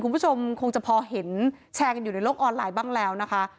คุณผู้ชมคงจะพอเห็นแชร์กันอยู่ในโลกออนไลน์บ้างแล้วนะคะ